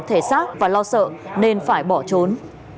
thể xác và lo sợ nên phải bỏ trốn